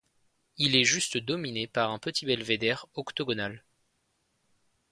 Il est juste dominé par un petit belvédère octogonal.